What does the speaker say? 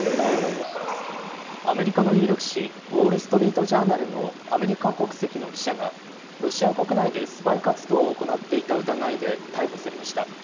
アメリカの有力紙、ウォール・ストリート・ジャーナルのアメリカ国籍の記者が、ロシア国内でスパイ活動を行っていた疑いで逮捕されました。